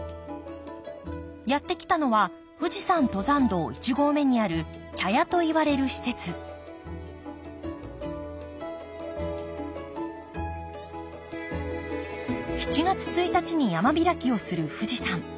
やって来たのは富士山登山道一合目にある茶屋といわれる施設７月１日に山開きをする富士山。